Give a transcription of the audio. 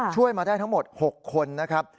ช่วยมาได้ทั้งหมด๖คนนะครับ